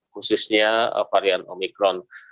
khususnya varian omikron